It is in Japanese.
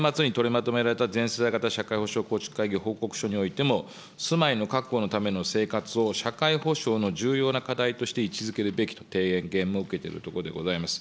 昨年末に取りまとめられた全世代型社会保障構築会議の報告書においても、住まいの確保のための生活を社会保障の重要な課題として位置づけるべきと提言も受けているところでございます。